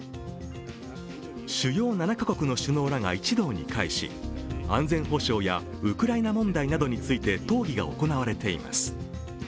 主要７か国の首脳らが一堂に会し、安全保障やウクライナ問題などについて討議が行われています。